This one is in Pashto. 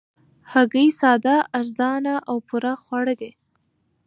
هګۍ ساده، ارزانه او پوره خواړه دي